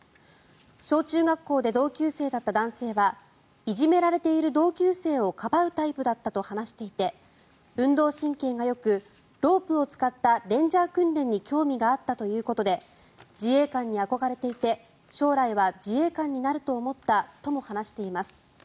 小中学校で同級生だった男性はいじめられている同級生をかばうタイプだったと話していて運動神経がよくロープを使ったレンジャー訓練に興味があったということで自衛官に憧れていて将来は自衛官になると思ったとも話しています。